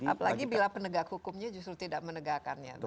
apalagi bila penegak hukumnya justru tidak menegakkannya